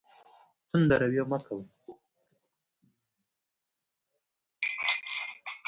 تند رویه مه کوئ.